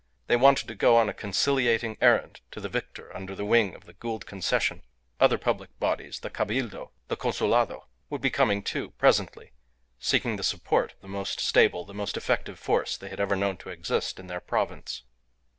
They wanted to go on a conciliating errand to the victor under the wing of the Gould Concession. Other public bodies the Cabildo, the Consulado would be coming, too, presently, seeking the support of the most stable, the most effective force they had ever known to exist in their province.